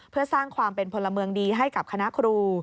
เพื่อสร้างความเป็นพลเมืองดีให้กับคณะครู